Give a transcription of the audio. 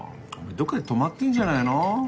どっかで止まってんじゃないの？